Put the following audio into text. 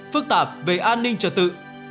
phức tạp về an ninh trật tự